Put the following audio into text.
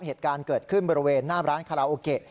เหตุการณ์เกิดขึ้นบริเวณหน้าร้านคาราโอเกะ